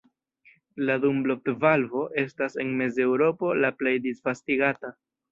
La "Dunlop-valvo" estas en Mezeŭropo la plej disvastigata.